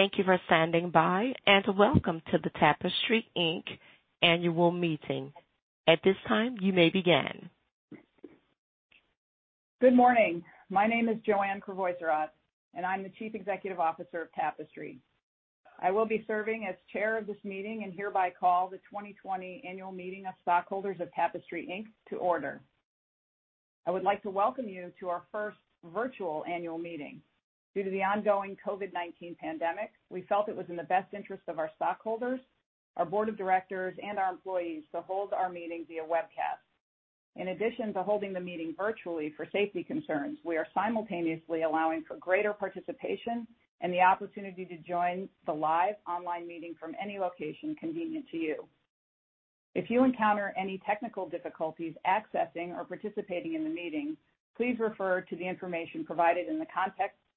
Thank you for standing by, and welcome to the Tapestry, Inc. annual meeting. At this time, you may begin. Good morning. My name is Joanne Crevoiserat, and I'm the Chief Executive Officer of Tapestry. I will be serving as chair of this meeting and hereby call the 2020 annual meeting of stockholders of Tapestry, Inc. to order. I would like to welcome you to our first virtual annual meeting. Due to the ongoing COVID-19 pandemic, we felt it was in the best interest of our stockholders, our board of directors, and our employees to hold our meeting via webcast. In addition to holding the meeting virtually for safety concerns, we are simultaneously allowing for greater participation and the opportunity to join the live online meeting from any location convenient to you. If you encounter any technical difficulties accessing or participating in the meeting, please refer to the information provided in the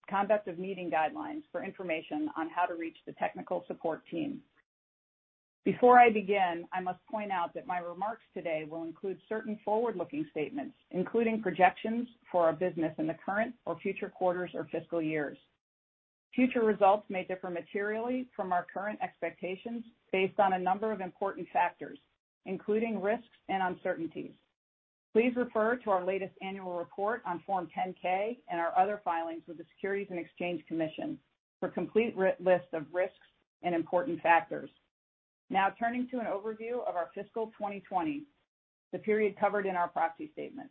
conduct of meeting guidelines for information on how to reach the technical support team. Before I begin, I must point out that my remarks today will include certain forward-looking statements, including projections for our business in the current or future quarters or fiscal years. Future results may differ materially from our current expectations based on a number of important factors, including risks and uncertainties. Please refer to our latest annual report on Form 10-K and our other filings with the Securities and Exchange Commission for complete list of risks and important factors. Turning to an overview of our fiscal 2020, the period covered in our proxy statement.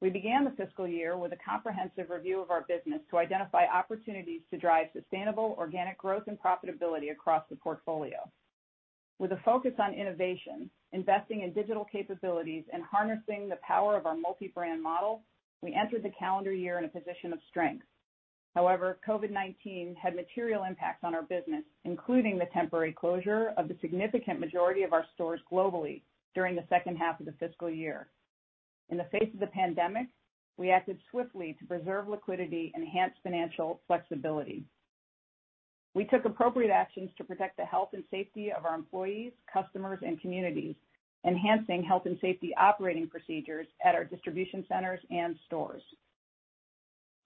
We began the fiscal year with a comprehensive review of our business to identify opportunities to drive sustainable organic growth and profitability across the portfolio. With a focus on innovation, investing in digital capabilities, and harnessing the power of our multi-brand model, we entered the calendar year in a position of strength. However, COVID-19 had material impacts on our business, including the temporary closure of the significant majority of our stores globally during the second half of the fiscal year. In the face of the pandemic, we acted swiftly to preserve liquidity and enhance financial flexibility. We took appropriate actions to protect the health and safety of our employees, customers, and communities, enhancing health and safety operating procedures at our distribution centers and stores.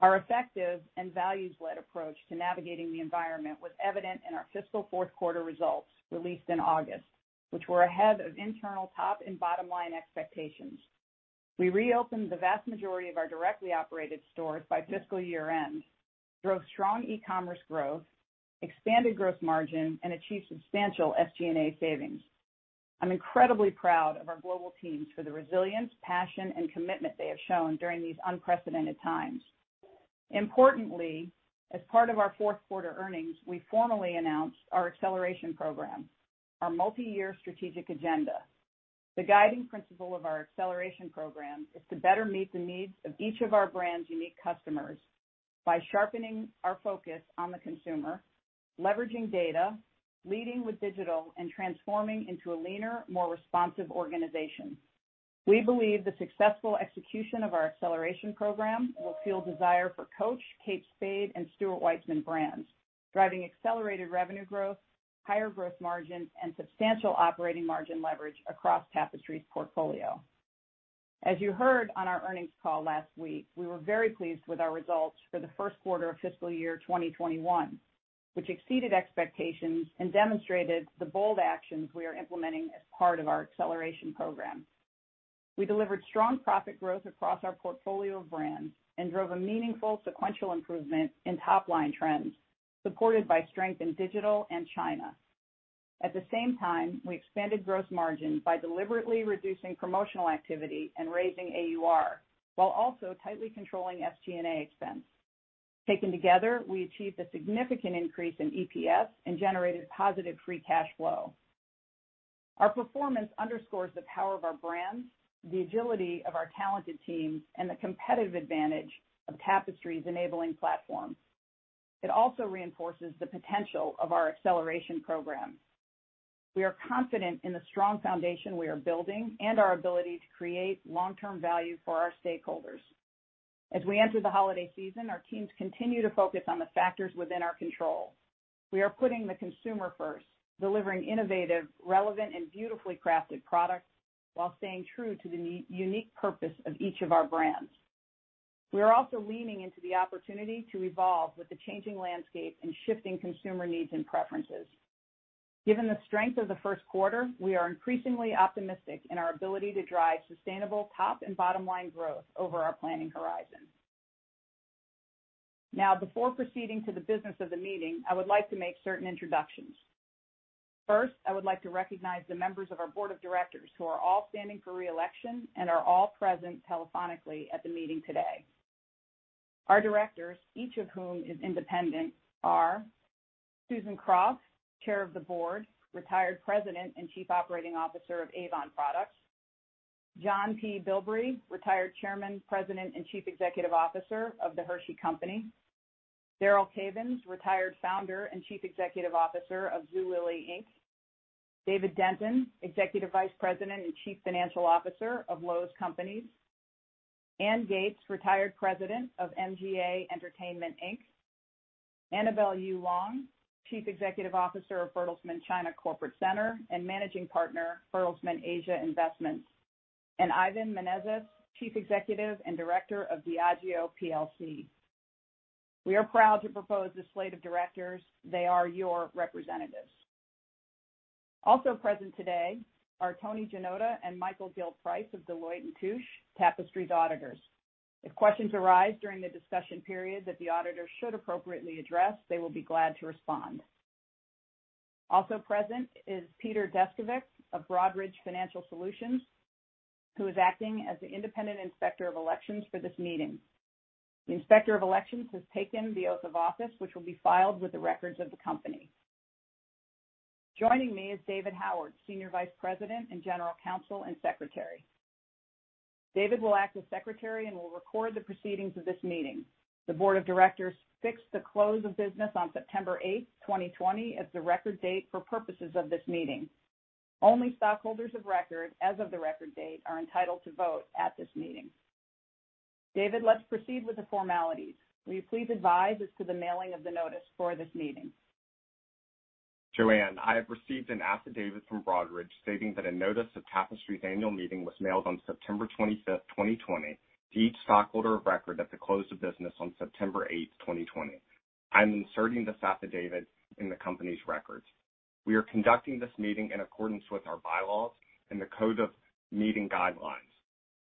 Our effective and values-led approach to navigating the environment was evident in our fiscal fourth quarter results released in August, which were ahead of internal top and bottom line expectations. We reopened the vast majority of our directly operated stores by fiscal year end, drove strong e-commerce growth, expanded gross margin, and achieved substantial SG&A savings. I'm incredibly proud of our global teams for the resilience, passion, and commitment they have shown during these unprecedented times. As part of our fourth quarter earnings, we formally announced our Acceleration Program, our multi-year strategic agenda. The guiding principle of our Acceleration Program is to better meet the needs of each of our brands' unique customers by sharpening our focus on the consumer, leveraging data, leading with digital, and transforming into a leaner, more responsive organization. We believe the successful execution of our Acceleration Program will fuel desire for Coach, Kate Spade, and Stuart Weitzman brands, driving accelerated revenue growth, higher gross margins, and substantial operating margin leverage across Tapestry's portfolio. As you heard on our earnings call last week, we were very pleased with our results for the first quarter of fiscal year 2021, which exceeded expectations and demonstrated the bold actions we are implementing as part of our Acceleration Program. We delivered strong profit growth across our portfolio of brands and drove a meaningful sequential improvement in top-line trends, supported by strength in digital and China. At the same time, we expanded gross margin by deliberately reducing promotional activity and raising AUR, while also tightly controlling SG&A expense. Taken together, we achieved a significant increase in EPS and generated positive free cash flow. Our performance underscores the power of our brands, the agility of our talented teams, and the competitive advantage of Tapestry's enabling platform. It also reinforces the potential of our acceleration program. We are confident in the strong foundation we are building and our ability to create long-term value for our stakeholders. As we enter the holiday season, our teams continue to focus on the factors within our control. We are putting the consumer first, delivering innovative, relevant, and beautifully crafted products while staying true to the unique purpose of each of our brands. We are also leaning into the opportunity to evolve with the changing landscape and shifting consumer needs and preferences. Given the strength of the first quarter, we are increasingly optimistic in our ability to drive sustainable top and bottom line growth over our planning horizon. Before proceeding to the business of the meeting, I would like to make certain introductions. I would like to recognize the members of our board of directors who are all standing for re-election and are all present telephonically at the meeting today. Our directors, each of whom is independent, are Susan Kropf, Chair of the Board, Retired President and Chief Operating Officer of Avon Products. John P. Bilbrey, Retired Chairman, President, and Chief Executive Officer of The Hershey Company; Darrell Cavens, Retired Founder and Chief Executive Officer of Zulily, Inc.; David Denton, Executive Vice President and Chief Financial Officer of Lowe's Companies; Anne Gates, Retired President of MGA Entertainment Inc.; Annabelle Yu Long, Chief Executive Officer of Bertelsmann China Corporate Center and Managing Partner, Bertelsmann Asia Investments. Ivan Menezes, Chief Executive and Director of Diageo PLC. We are proud to propose this slate of directors. They are your representatives. Also present today are Toni Janota and Michael Gilprice of Deloitte & Touche, Tapestry's auditors. If questions arise during the discussion period that the auditors should appropriately address, they will be glad to respond. Also present is Peter Deskovic of Broadridge Financial Solutions, who is acting as the independent inspector of elections for this meeting. The inspector of elections has taken the oath of office, which will be filed with the records of the company. Joining me is David Howard, Senior Vice President and General Counsel and Secretary. David will act as secretary and will record the proceedings of this meeting. The board of directors fixed the close of business on September eighth, 2020, as the record date for purposes of this meeting. Only stockholders of record as of the record date are entitled to vote at this meeting. David, let's proceed with the formalities. Will you please advise as to the mailing of the notice for this meeting. Joanne, I'm inserting this affidavit in the company's records. We are conducting this meeting in accordance with our bylaws and the code of meeting guidelines.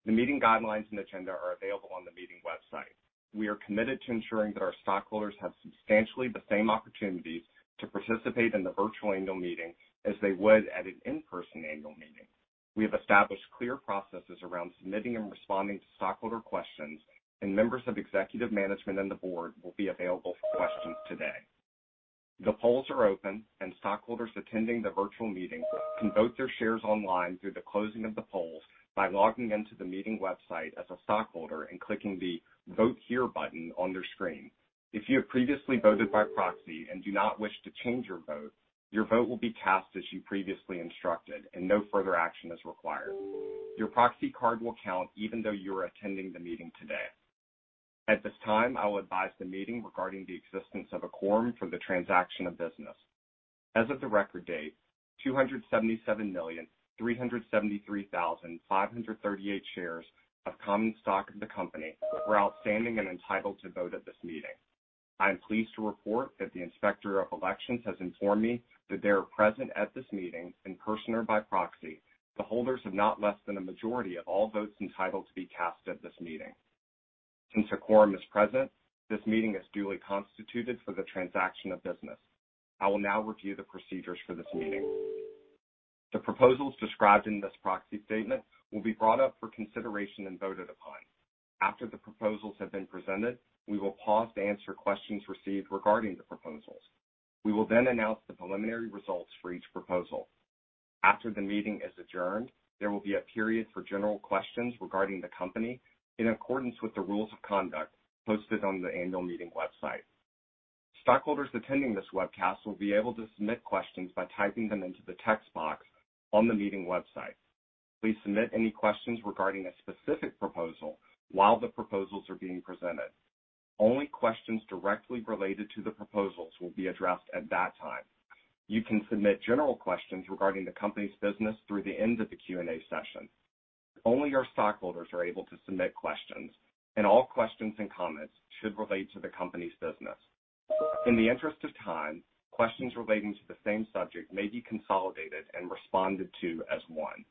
The meeting guidelines and agenda are available on the meeting website. We are committed to ensuring that our stockholders have substantially the same opportunities to participate in the virtual annual meeting as they would at an in-person annual meeting. We have established clear processes around submitting and responding to stockholder questions, and members of executive management and the board will be available for questions today. The polls are open, and stockholders attending the virtual meeting can vote their shares online through the closing of the polls by logging in to the meeting website as a stockholder and clicking the Vote Here button on their screen. If you have previously voted by proxy and do not wish to change your vote, your vote will be cast as you previously instructed, and no further action is required. Your proxy card will count even though you are attending the meeting today. At this time, I will advise the meeting regarding the existence of a quorum for the transaction of business. As of the record date, 277,373,538 shares of common stock of the company were outstanding and entitled to vote at this meeting. I am pleased to report that the Inspector of Elections has informed me that there are present at this meeting, in person or by proxy, the holders of not less than a majority of all votes entitled to be cast at this meeting. Since a quorum is present, this meeting is duly constituted for the transaction of business. I will now review the procedures for this meeting. The proposals described in this proxy statement will be brought up for consideration and voted upon. After the proposals have been presented, we will pause to answer questions received regarding the proposals. We will then announce the preliminary results for each proposal. After the meeting is adjourned, there will be a period for general questions regarding the company in accordance with the rules of conduct posted on the annual meeting website. Stockholders attending this webcast will be able to submit questions by typing them into the text box on the meeting website. Please submit any questions regarding a specific proposal while the proposals are being presented. Only questions directly related to the proposals will be addressed at that time. You can submit general questions regarding the company's business through the end of the Q&A session. Only our stockholders are able to submit questions, and all questions and comments should relate to the company's business. In the interest of time, questions relating to the same subject may be consolidated and responded to as one.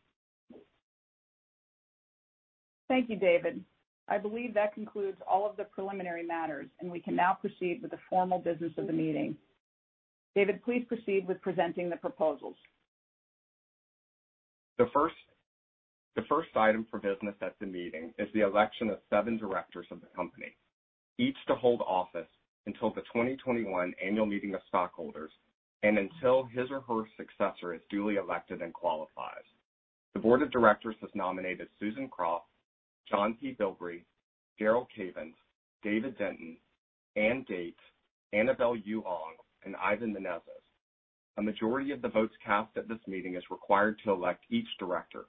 Thank you, David. I believe that concludes all of the preliminary matters, and we can now proceed with the formal business of the meeting. David, please proceed with presenting the proposals. The first item for business at the meeting is the election of seven directors of the company, each to hold office until the 2021 annual meeting of stockholders and until his or her successor is duly elected and qualifies. The board of directors has nominated Susan Kropf, John P. Bilbrey, Darrell Cavens, David Denton, Anne Gates, Annabelle Yu Long, and Ivan Menezes. A majority of the votes cast at this meeting is required to elect each director.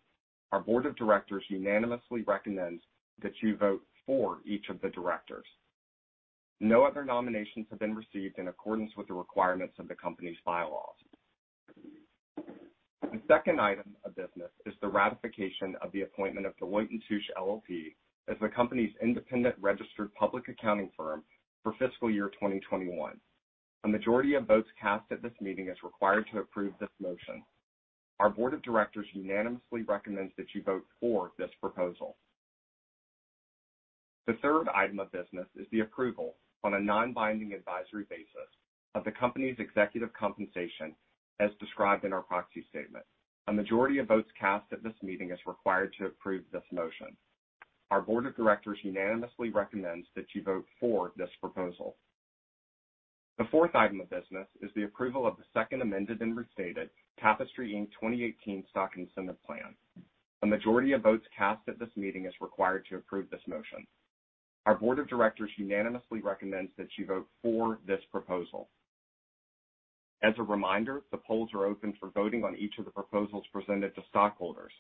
Our board of directors unanimously recommends that you vote for each of the directors. No other nominations have been received in accordance with the requirements of the company's bylaws. The second item of business is the ratification of the appointment of Deloitte & Touche LLP as the company's independent registered public accounting firm for fiscal year 2021. A majority of votes cast at this meeting is required to approve this motion. Our board of directors unanimously recommends that you vote for this proposal. The third item of business is the approval on a non-binding advisory basis of the company's executive compensation as described in our proxy statement. A majority of votes cast at this meeting is required to approve this motion. Our board of directors unanimously recommends that you vote for this proposal. The fourth item of business is the approval of the second amended and restated Tapestry, Inc. 2018 Stock Incentive Plan. A majority of votes cast at this meeting is required to approve this motion. Our board of directors unanimously recommends that you vote for this proposal. As a reminder, the polls are open for voting on each of the proposals presented to stockholders.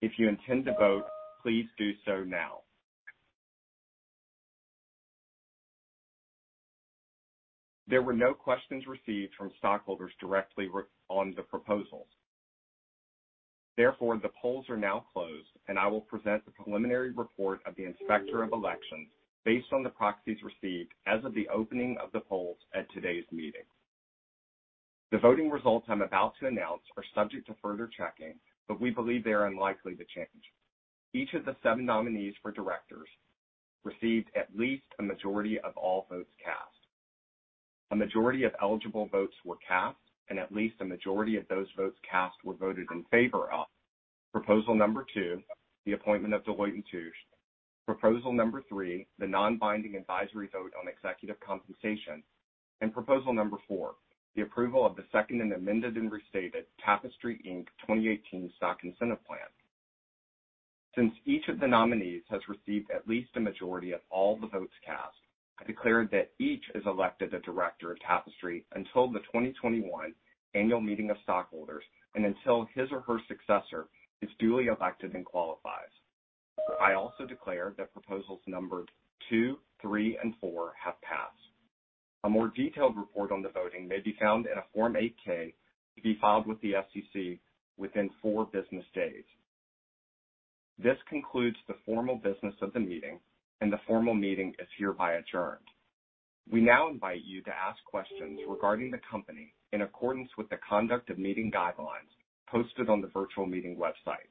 If you intend to vote, please do so now. There were no questions received from stockholders directly on the proposals. The polls are now closed, and I will present the preliminary report of the Inspector of Elections based on the proxies received as of the opening of the polls at today's meeting. The voting results I'm about to announce are subject to further checking, but we believe they are unlikely to change. Each of the seven nominees for directors received at least a majority of all votes cast. A majority of eligible votes were cast, and at least a majority of those votes cast were voted in favor of Proposal Number 2, the appointment of Deloitte & Touche, Proposal Number 3, the non-binding advisory vote on executive compensation, and Proposal Number 4, the approval of the second and amended and restated Tapestry, Inc. 2018 Stock Incentive Plan. Since each of the nominees has received at least a majority of all the votes cast, I declare that each is elected a director of Tapestry until the 2021 annual meeting of stockholders and until his or her successor is duly elected and qualifies. I also declare that Proposals Number two, three, and four have passed. A more detailed report on the voting may be found in a Form 8-K to be filed with the SEC within four business days. This concludes the formal business of the meeting, and the formal meeting is hereby adjourned. We now invite you to ask questions regarding the company in accordance with the conduct of meeting guidelines posted on the virtual meeting website.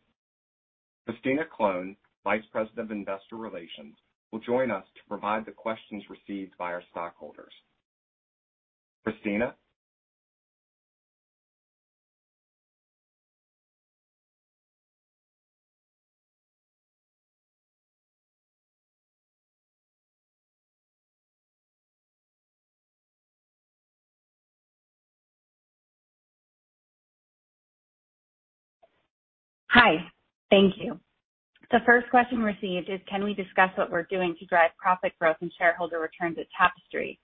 Christina Colone, Vice President of Investor Relations, will join us to provide the questions received by our stockholders. Christina? Hi. Thank you. The first question received is can we discuss what we're doing to drive profit growth and shareholder returns at Tapestry?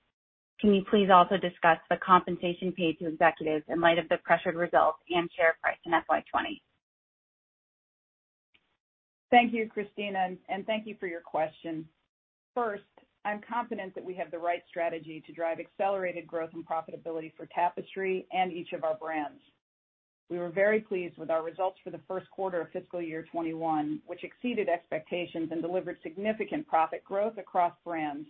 Can you please also discuss the compensation paid to executives in light of the pressured results and share price in FY 2020? Thank you, Christina, and thank you for your question. First, I'm confident that we have the right strategy to drive accelerated growth and profitability for Tapestry and each of our brands. We were very pleased with our results for the first quarter of fiscal year 2021, which exceeded expectations and delivered significant profit growth across brands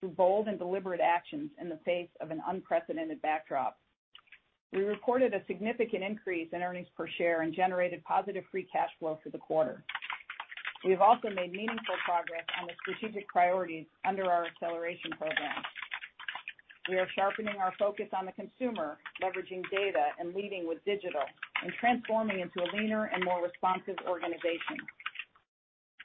through bold and deliberate actions in the face of an unprecedented backdrop. We reported a significant increase in earnings per share and generated positive free cash flow for the quarter. We have also made meaningful progress on the strategic priorities under our acceleration program. We are sharpening our focus on the consumer, leveraging data, and leading with digital, and transforming into a leaner and more responsive organization.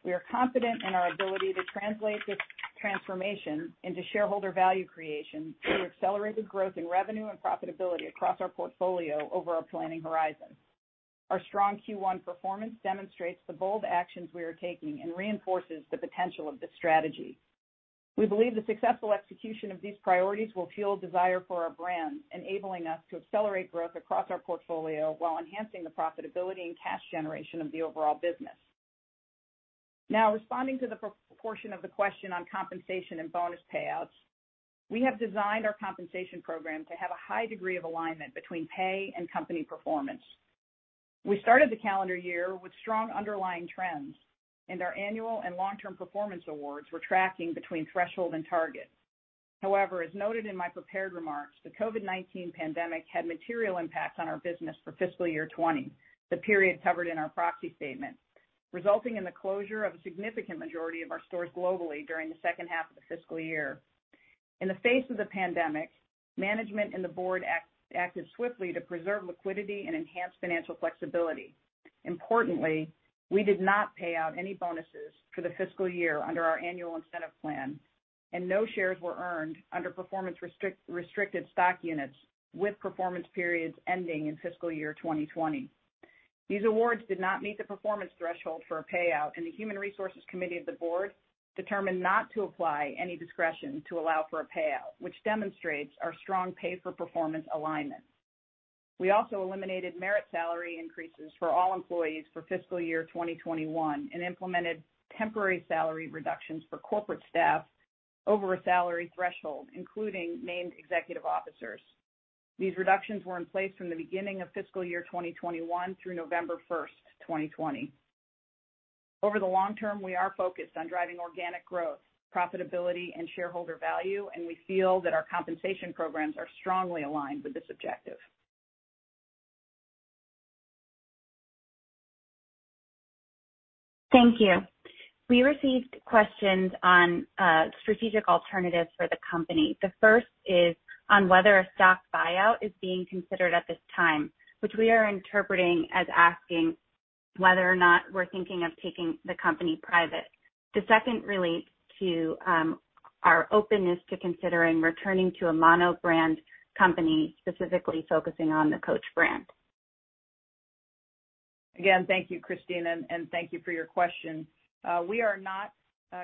We are confident in our ability to translate this transformation into shareholder value creation through accelerated growth in revenue and profitability across our portfolio over our planning horizon. Our strong Q1 performance demonstrates the bold actions we are taking and reinforces the potential of this strategy. We believe the successful execution of these priorities will fuel desire for our brands, enabling us to accelerate growth across our portfolio while enhancing the profitability and cash generation of the overall business. Now, responding to the portion of the question on compensation and bonus payouts, we have designed our compensation program to have a high degree of alignment between pay and company performance. We started the calendar year with strong underlying trends, and our annual and long-term performance awards were tracking between threshold and target. However, as noted in my prepared remarks, the COVID-19 pandemic had material impact on our business for fiscal year 2020, the period covered in our proxy statement, resulting in the closure of a significant majority of our stores globally during the second half of the fiscal year. In the face of the pandemic, management and the board acted swiftly to preserve liquidity and enhance financial flexibility. Importantly, we did not pay out any bonuses for the fiscal year under our annual incentive plan, and no shares were earned under performance restricted stock units with performance periods ending in fiscal year 2020. These awards did not meet the performance threshold for a payout, and the Human Resources Committee of the board determined not to apply any discretion to allow for a payout, which demonstrates our strong pay-for-performance alignment. We also eliminated merit salary increases for all employees for fiscal year 2021 and implemented temporary salary reductions for corporate staff over a salary threshold, including named executive officers. These reductions were in place from the beginning of fiscal year 2021 through November 1st, 2020. Over the long term, we are focused on driving organic growth, profitability, and shareholder value, and we feel that our compensation programs are strongly aligned with this objective. Thank you. We received questions on strategic alternatives for the company. The first is on whether a stock buyout is being considered at this time, which we are interpreting as asking whether or not we're thinking of taking the company private. The second relates to our openness to considering returning to a mono-brand company, specifically focusing on the Coach brand. Again, thank you, Christina, and thank you for your question. We are not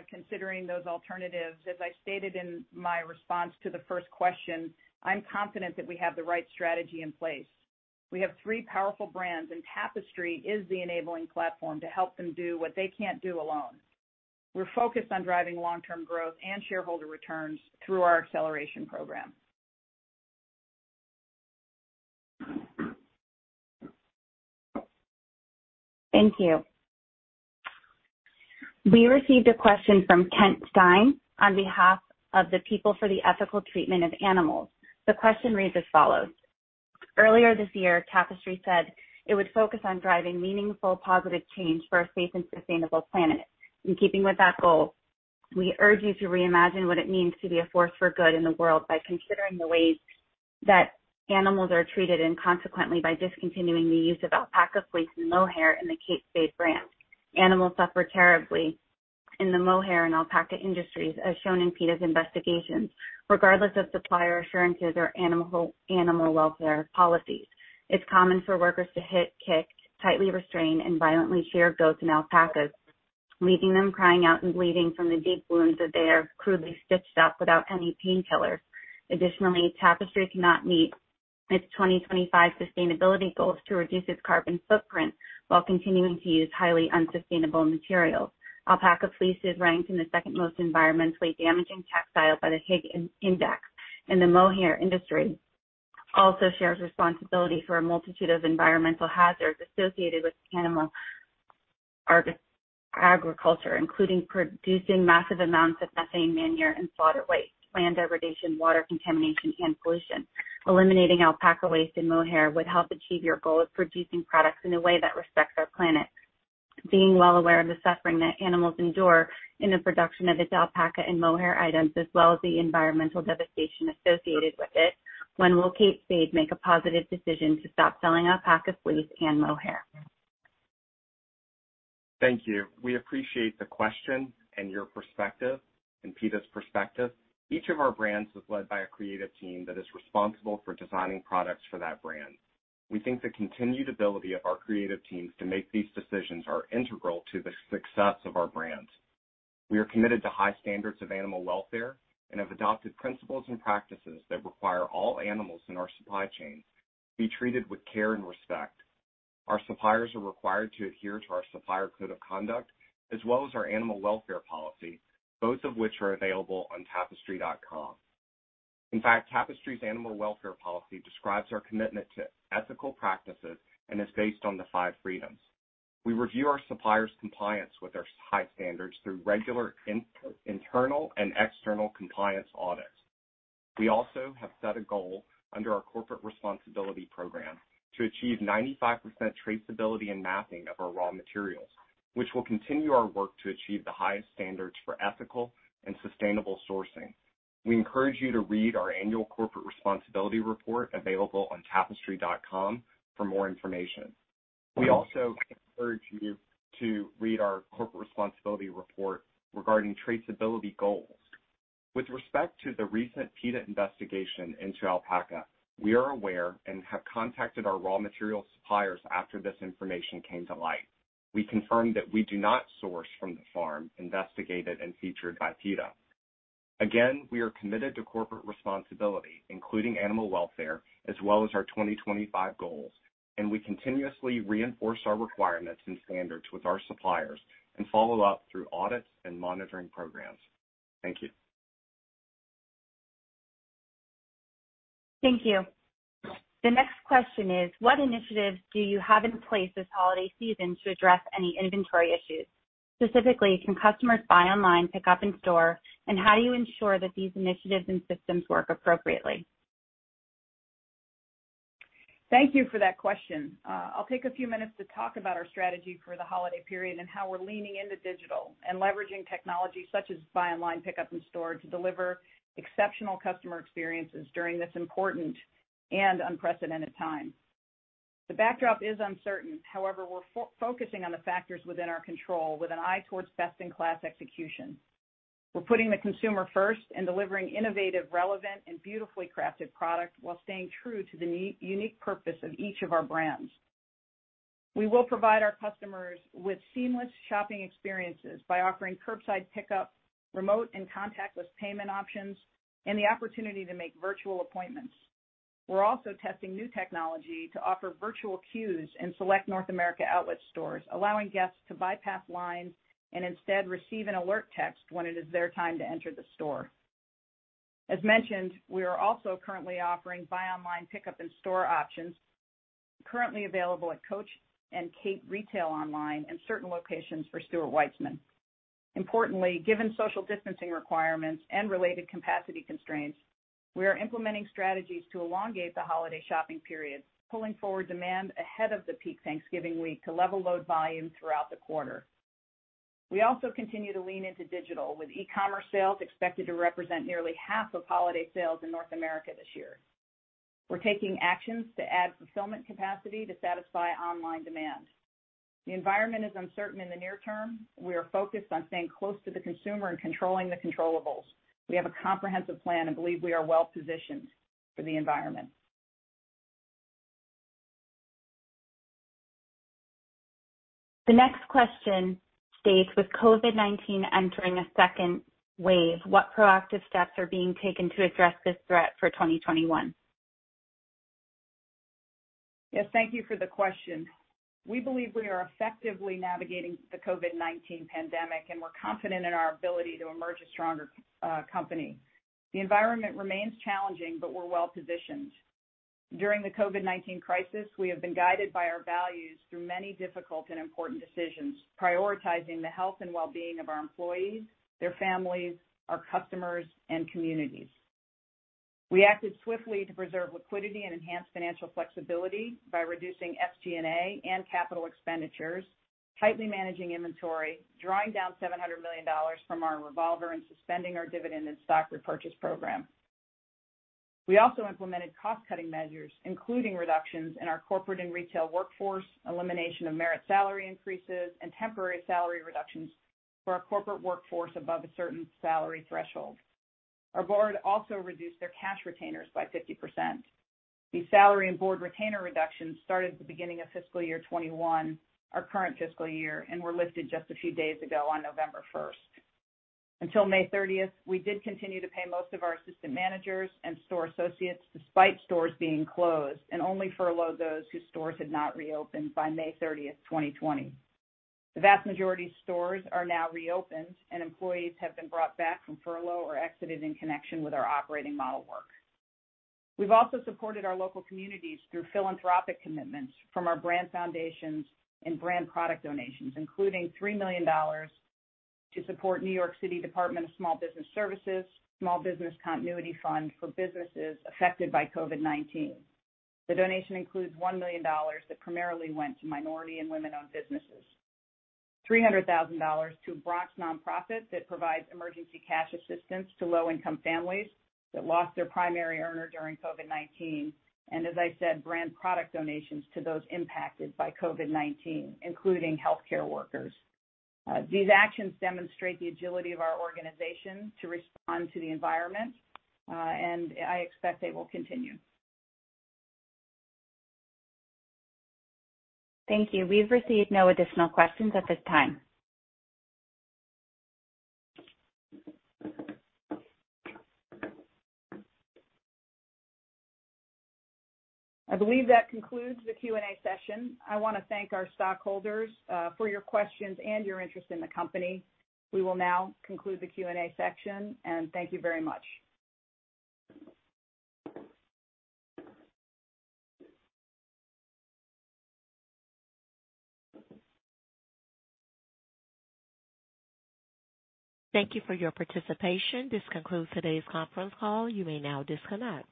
considering those alternatives. As I stated in my response to the first question, I'm confident that we have the right strategy in place. We have three powerful brands, and Tapestry is the enabling platform to help them do what they can't do alone. We're focused on driving long-term growth and shareholder returns through our acceleration program. Thank you. We received a question from Kent Stein on behalf of the People for the Ethical Treatment of Animals. The question reads as follows. "Earlier this year, Tapestry said it would focus on driving meaningful positive change for a safe and sustainable planet. In keeping with that goal, we urge you to reimagine what it means to be a force for good in the world by considering the ways that animals are treated, consequently, by discontinuing the use of alpaca fleece and mohair in the Kate Spade brand. Animals suffer terribly in the mohair and alpaca industries, as shown in PETA's investigations, regardless of supplier assurances or animal welfare policies. It's common for workers to hit, kick, tightly restrain, and violently shear goats and alpacas, leaving them crying out and bleeding from the deep wounds that they are crudely stitched up without any painkillers. Additionally, Tapestry cannot meet its 2025 sustainability goals to reduce its carbon footprint while continuing to use highly unsustainable materials. Alpaca fleece is ranked in the second most environmentally damaging textile by the Higg Index. The mohair industry also shares responsibility for a multitude of environmental hazards associated with animal agriculture, including producing massive amounts of methane manure and slaughter waste, land degradation, water contamination, and pollution. Eliminating alpaca waste and mohair would help achieve your goal of producing products in a way that respects our planet. Being well aware of the suffering that animals endure in the production of its alpaca and mohair items, as well as the environmental devastation associated with it, when will Kate Spade make a positive decision to stop selling alpaca fleece and mohair? Thank you. We appreciate the question and your perspective and PETA's perspective. Each of our brands is led by a creative team that is responsible for designing products for that brand. We think the continued ability of our creative teams to make these decisions are integral to the success of our brands. We are committed to high standards of animal welfare and have adopted principles and practices that require all animals in our supply chain be treated with care and respect. Our suppliers are required to adhere to our supplier code of conduct as well as our animal welfare policy, both of which are available on tapestry.com. In fact, Tapestry's animal welfare policy describes our commitment to ethical practices and is based on the five freedoms. We review our suppliers' compliance with our high standards through regular internal and external compliance audits. We also have set a goal under our corporate responsibility program to achieve 95% traceability and mapping of our raw materials, which will continue our work to achieve the highest standards for ethical and sustainable sourcing. We encourage you to read our annual corporate responsibility report available on tapestry.com for more information. We also encourage you to read our corporate responsibility report regarding traceability goals. With respect to the recent PETA investigation into alpaca, we are aware and have contacted our raw material suppliers after this information came to light. We confirm that we do not source from the farm investigated and featured by PETA. Again, we are committed to corporate responsibility, including animal welfare, as well as our 2025 goals, and we continuously reinforce our requirements and standards with our suppliers and follow up through audits and monitoring programs. Thank you. Thank you. The next question is, what initiatives do you have in place this holiday season to address any inventory issues? Specifically, can customers buy online, pick up in store, and how do you ensure that these initiatives and systems work appropriately? Thank you for that question. I'll take a few minutes to talk about our strategy for the holiday period and how we're leaning into digital and leveraging technology such as buy online, pick up in store to deliver exceptional customer experiences during this important and unprecedented time. The backdrop is uncertain. We're focusing on the factors within our control with an eye towards best-in-class execution. We're putting the consumer first and delivering innovative, relevant, and beautifully crafted product while staying true to the unique purpose of each of our brands. We will provide our customers with seamless shopping experiences by offering curbside pickup, remote and contactless payment options, and the opportunity to make virtual appointments. We're also testing new technology to offer virtual queues in select North America outlet stores, allowing guests to bypass lines and instead receive an alert text when it is their time to enter the store. As mentioned, we are also currently offering buy online, pickup in store options currently available at Coach and Kate retail online and certain locations for Stuart Weitzman. Importantly, given social distancing requirements and related capacity constraints, we are implementing strategies to elongate the holiday shopping period, pulling forward demand ahead of the peak Thanksgiving week to level load volume throughout the quarter. We also continue to lean into digital, with e-commerce sales expected to represent nearly half of holiday sales in North America this year. We're taking actions to add fulfillment capacity to satisfy online demand. The environment is uncertain in the near term. We are focused on staying close to the consumer and controlling the controllables. We have a comprehensive plan and believe we are well-positioned for the environment. The next question states, with COVID-19 entering a second wave, what proactive steps are being taken to address this threat for 2021? Yes, thank you for the question. We believe we are effectively navigating the COVID-19 pandemic, and we're confident in our ability to emerge a stronger company. The environment remains challenging, but we're well-positioned. During the COVID-19 crisis, we have been guided by our values through many difficult and important decisions, prioritizing the health and well-being of our employees, their families, our customers, and communities. We acted swiftly to preserve liquidity and enhance financial flexibility by reducing SG&A and capital expenditures, tightly managing inventory, drawing down $700 million from our revolver, and suspending our dividend and stock repurchase program. We also implemented cost-cutting measures, including reductions in our corporate and retail workforce, elimination of merit salary increases, and temporary salary reductions for our corporate workforce above a certain salary threshold. Our board also reduced their cash retainers by 50%. These salary and board retainer reductions started at the beginning of fiscal year 2021, our current fiscal year, and were lifted just a few days ago on November 1st. Until May 30th, we did continue to pay most of our assistant managers and store associates, despite stores being closed, and only furloughed those whose stores had not reopened by May 30th, 2020. The vast majority of stores are now reopened, and employees have been brought back from furlough or exited in connection with our operating model work. We've also supported our local communities through philanthropic commitments from our brand foundations and brand product donations, including $3 million to support New York City Department of Small Business Services' Small Business Continuity Fund for businesses affected by COVID-19. The donation includes $1 million that primarily went to minority and women-owned businesses, $300,000 to a Bronx nonprofit that provides emergency cash assistance to low-income families that lost their primary earner during COVID-19, and as I said, brand product donations to those impacted by COVID-19, including healthcare workers. These actions demonstrate the agility of our organization to respond to the environment, and I expect they will continue. Thank you. We've received no additional questions at this time. I believe that concludes the Q&A session. I want to thank our stockholders for your questions and your interest in the company. We will now conclude the Q&A section and thank you very much. Thank you for your participation. This concludes today's conference call. You may now disconnect.